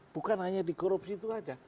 bukan hanya di korupsi itu saja